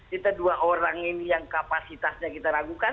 kita dua orang ini yang kapasitasnya kita ragukan